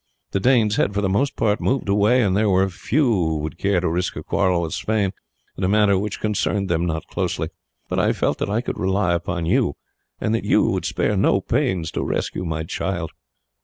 The Danes had for the most part moved away, and there were few would care to risk a quarrel with Sweyn in a matter which concerned them not closely; but I felt that I could rely upon you, and that you would spare no pains to rescue my child."